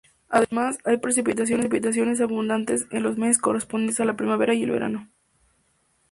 Además, hay precipitaciones abundantes en los meses correspondientes a la primavera y al verano.